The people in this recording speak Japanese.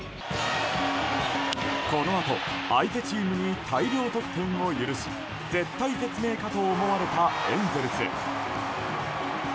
このあと、相手チームに大量得点を許し絶体絶命かと思われたエンゼルス。